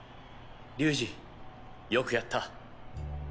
龍二よくやった。